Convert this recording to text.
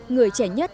người trẻ nhất